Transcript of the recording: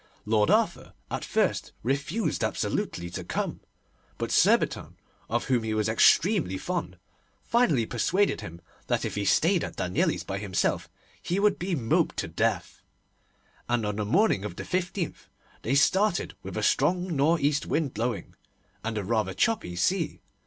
Lord Arthur at first refused absolutely to come, but Surbiton, of whom he was extremely fond, finally persuaded him that if he stayed at Danieli's by himself he would be moped to death, and on the morning of the 15th they started, with a strong nor' east wind blowing, and a rather choppy sea.